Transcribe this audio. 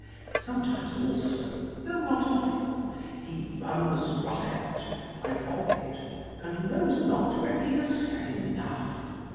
Sometimes also, tho' not often, he runs riot, like Ovid, and knows not when he has said enough.